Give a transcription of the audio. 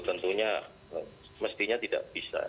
tentunya mestinya tidak bisa